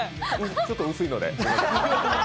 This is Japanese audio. ちょっと薄いので。